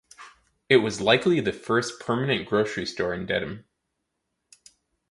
It was likely the first permanent grocery store in Dedham.